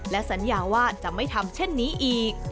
และสัญญาว่าจะไม่ทำเช่นนี้อีก